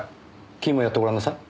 君もやってごらんなさい。